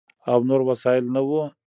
او نور وسایل نه ؤ،